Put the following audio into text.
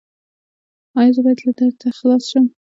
ایا زه به له دې درده خلاص شم؟